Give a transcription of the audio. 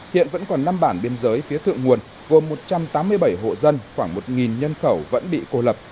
hiện vẫn còn năm bản biên giới phía thượng nguồn gồm một trăm tám mươi bảy hộ dân khoảng một nhân khẩu vẫn bị cô lập